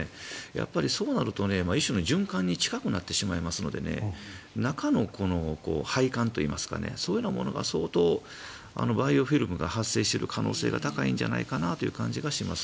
やっぱりそうなると一種の循環に近くなってしまうので中の配管というかそういうものが相当、バイオフィルムが発生してる可能性が高いんじゃないかなという感じがします。